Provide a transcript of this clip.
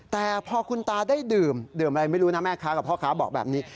แต่พอคุณตาได้ดื่มดื่มอะไรไม่รู้นะแม่ค้ากับพ่อค้าบอกแบบนี้